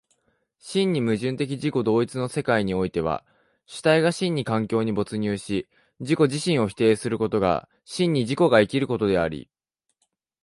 真に矛盾的自己同一の世界においては、主体が真に環境に没入し自己自身を否定することが真に自己が生きることであり、